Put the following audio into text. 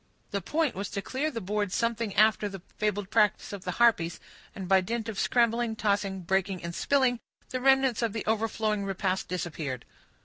The point was to clear the board something after the fabled practice of the harpies, and by dint of scrambling, tossing, breaking, and spilling, the remnants of the overflowing repast disappeared.